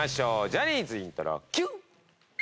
ジャニーズイントロＱ！